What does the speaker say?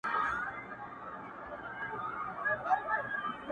له ټولو بېل یم، د تیارې او د رڼا زوی نه یم.